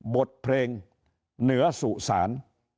บทเพลงเหนือสู่ศาล